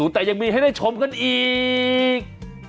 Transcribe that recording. แต่ยังมีให้ได้ชมกันอีก